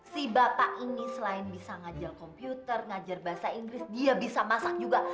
si bapak ini selain bisa ngajar komputer ngajar bahasa inggris dia bisa masak juga